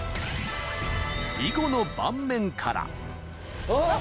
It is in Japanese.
［囲碁の盤面から］